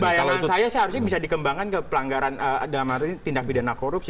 bayangan saya seharusnya bisa dikembangkan ke pelanggaran dalam arti tindak pidana korupsi